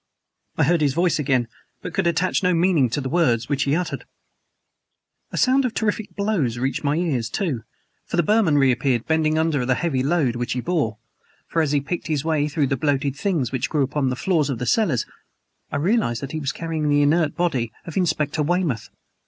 I heard his voice again, but could attach no meaning to the words which he uttered. A sound of terrific blows reached my ears, too. The Burman reappeared, bending under the heavy load which he bore. For, as he picked his way through the bloated things which grew upon the floors of the cellars, I realized that he was carrying the inert body of Inspector Weymouth.